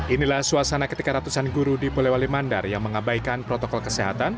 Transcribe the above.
inilah suasana ketika ratusan guru di polewali mandar yang mengabaikan protokol kesehatan